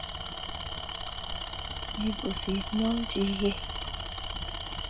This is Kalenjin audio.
Mi pusit nyo chiget.